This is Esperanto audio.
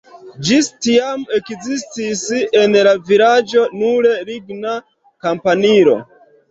Ĝis tiam ekzistis en la vilaĝo nur ligna kampanilo.